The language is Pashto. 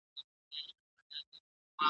له عالمه سره غم، نه غم.